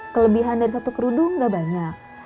kelebihan dari satu kerudung gak banyak